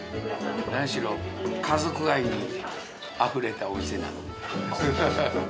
何しろ、家族愛にあふれたお店なんで。